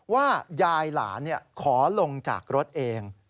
ว่ายายหลานขอลงจากรถเอง